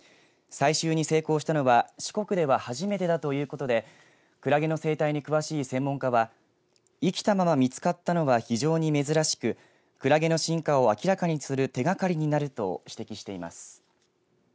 採集に成功したのは四国では初めてだということでくらげの生態に詳しい専門家は生きたまま見つかったのは非常に珍しくくらげの進化を明らかにする手がかりになると指摘しています。